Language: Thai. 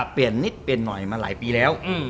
เปลี่ยนนิดเปลี่ยนหน่อยมาหลายปีแล้ว